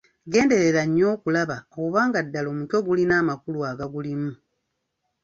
Genderera nnyo okulaba oba nga ddala omutwe gulina amakulu agagulimu.